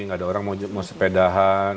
gak ada orang mau sepedahan